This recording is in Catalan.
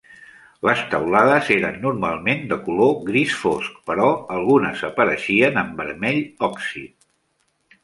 Les teulades eren normalment de color gris fosc, però algunes apareixien en vermell òxid.